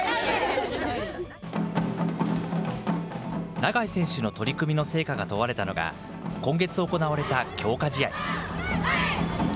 永井選手の取り組みの成果が問われたのが、今月行われた強化試合。